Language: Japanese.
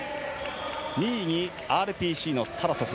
２位にＲＰＣのタラソフ。